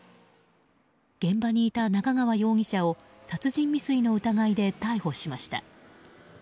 現場にいた、中川容疑者を殺人未遂の疑いで逮捕しました。